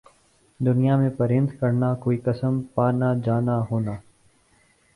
دنیا میں پرند کرنا کوئی قسم پانا جانا ہونا